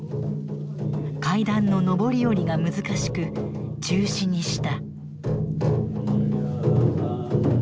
階段の上り下りが難しく中止にした。